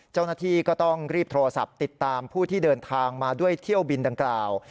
เจ้าหน้าที่ก็ต้องรีบโทรศัพท์ติดตามผู้ที่เดินทางมาด้วยเที่ยวบินดังกล่าว